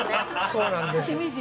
そうなんです。